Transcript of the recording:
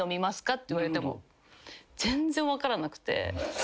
って言われても全然分からなくて。